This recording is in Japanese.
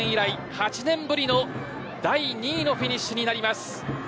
８年ぶりの第２位のフィニッシュになります。